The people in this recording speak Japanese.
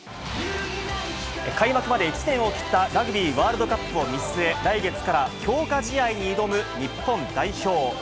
開幕まで１年を切ったラグビーワールドカップを見据え、来月から強化試合に挑む日本代表。